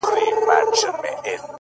• په ظاهره وي په سپینو جامو ښکلی ,